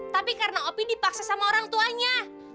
tapi karena opi dipaksa sama orang tuanya